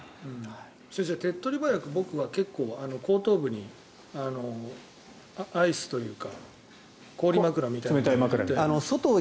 先生、手っ取り早く僕は後頭部にアイスというか氷枕みたいなのを。